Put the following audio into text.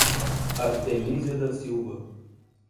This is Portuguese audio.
Artenizia da Silva